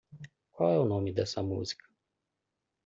Qual é nome dessa música?